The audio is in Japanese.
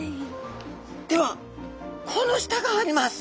ではこの下があります。